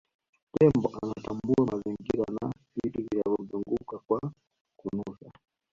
tembo anatambua mazingira na vitu vinavyomzunguka kwa kunusa